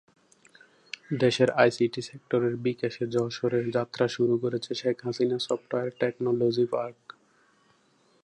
দেশের আইসিটি সেক্টরের বিকাশে যশোরে যাত্রা শুরু করেছে Sheikh Hasina software technology park.